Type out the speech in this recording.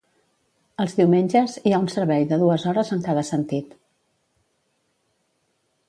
Els diumenges, hi ha un servei de dues hores en cada sentit.